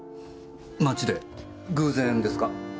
街で偶然ですか？